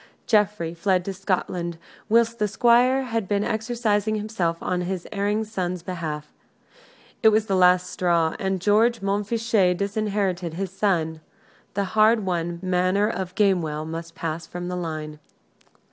Geoffrey fled to Scotland, whilst the Squire had been exercising himself on his erring son's behalf. It was the last straw, and George Montfichet disinherited his son. The hard won Manor of Gamewell must pass from the line.